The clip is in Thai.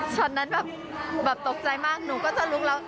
นั้นแบบตกใจมากหนูก็จะลุกแล้ว